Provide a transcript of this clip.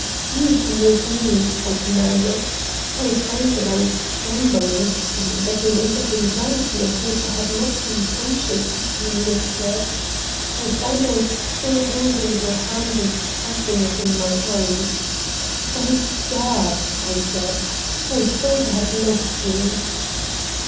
"You come with me!" I commanded. I found that I was trembling and that a weight of anxiety of which I had not been conscious had been lifted. I found I was still holding her hand and pressing it in my own. "Thank God!" I said. "I thought I had lost you!"